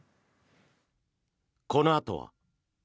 このあとは。